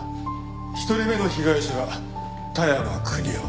１人目の被害者が田山邦夫。